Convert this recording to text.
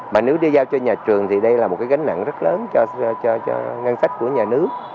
mà nếu đi giao cho nhà trường thì đây là một cái gánh nặng rất lớn cho ngân sách của nhà nước